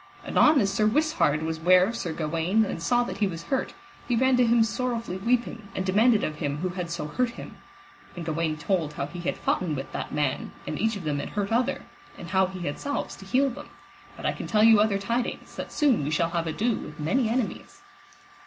Anon as Sir Wisshard was ware of Sir Gawaine and saw that he was hurt, he ran to him sorrowfully weeping, and demanded of him who had so hurt him; and Gawaine told how he had foughten with that man, and each of them had hurt other, and how he had salves to heal them; but I can tell you other tidings, that soon we shall have ado with many enemies.